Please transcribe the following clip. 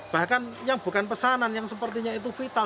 bahkan yang bukan pesanan yang sepertinya itu vital